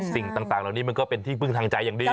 สิ่งต่างเหล่านี้มันก็เป็นที่พึ่งทางใจอย่างดี